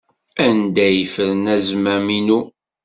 Anda ay ffren azmam-inu?